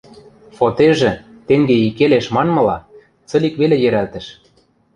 Фотежӹ, «тенге и келеш» манмыла, цылик веле йӹрӓлтӹш.